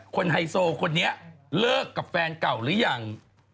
ไฮโซคนนี้เลิกกับแฟนเก่าหรือยัง